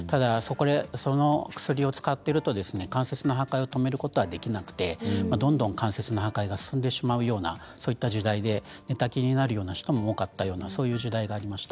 その薬を使っていると関節の破壊を止めることはできなくてどんどん関節の破壊が進んでしまうような時代で寝たきりになるような人も多かったような時代がありました。